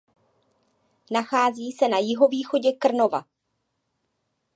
Nachází se na jihovýchodě Krnova.